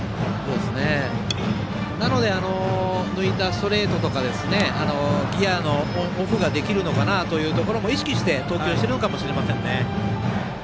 なので抜いたストレートとかギヤのオフができるのかなというところが意識して、投球しているのかもしれませんね。